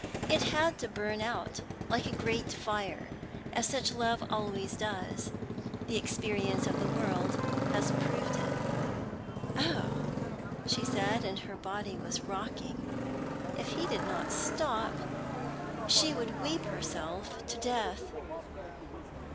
It had to burn out, like a great fire, as such love always does. The experience of the world has proved it." "Oh!" she cried, and her body was rocking. If he did not stop, she would weep herself to death.